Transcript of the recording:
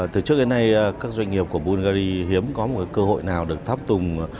từ trước đến nay các doanh nghiệp của bungary hiếm có một cơ hội nào được thắp tùng